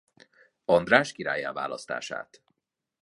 András királlyá választását.